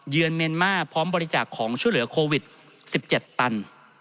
เยือนเมียนม่าพร้อมบริจักษ์ของช่วยเหลือโควิด๑๗ตัน